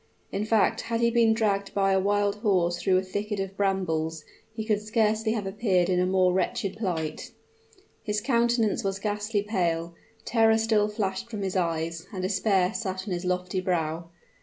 In fact, had he been dragged by a wild horse through a thicket of brambles, he could scarcely have appeared in a more wretched plight. His countenance was ghastly pale; terror still flashed from his eyes, and despair sat on his lofty brow.